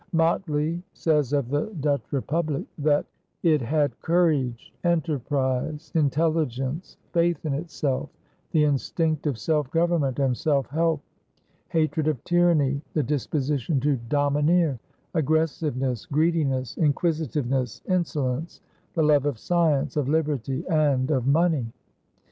Motley says of the Dutch Republic that "it had courage, enterprise, intelligence, faith in itself, the instinct of self government and self help, hatred of tyranny, the disposition to _domine_er, aggressiveness, greediness, inquisitiveness, insolence, the love of science, of liberty, and of money."